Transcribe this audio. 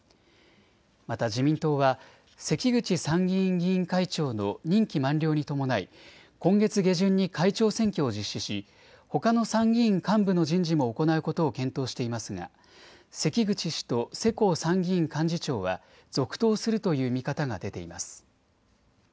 また自民党は関口参議院議員会長の任期満了に伴い今月下旬に会長選挙を実施し、ほかの参議院幹部の人事も行うことを検討していますが関口氏と世耕参議院幹事長は続投するという見方が出ています。